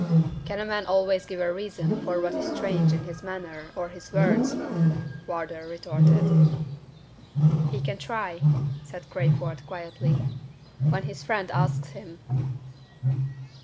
"Can a man always give a reason for what is strange in his manner or his words?" Wardour retorted. "He can try," said Crayford, quietly "when his friend asks him."